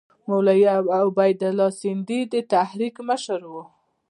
مولوي عبیدالله سندي د تحریک مشر وو.